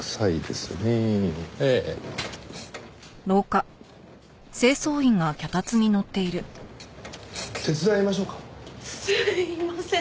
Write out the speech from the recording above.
すいません。